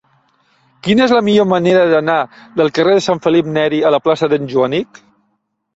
Quina és la millor manera d'anar del carrer de Sant Felip Neri a la plaça d'en Joanic?